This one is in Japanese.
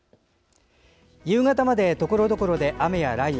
夕方まで、ところどころで雨や雷雨。